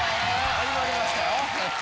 始まりました。